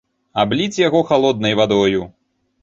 Абліць яго халоднай вадою!